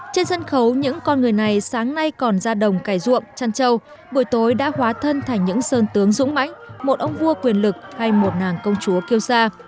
trên sân khấu những con người này sáng nay còn ra đồng cải ruộm chăn trâu buổi tối đã hóa thân thành những sơn tướng dũng mãnh một ông vua quyền lực hay một nàng công chúa kiêu sa